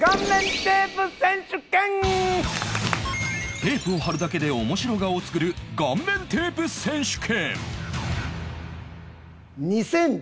テープを貼るだけで面白顔を作る「顔面テープ選手権」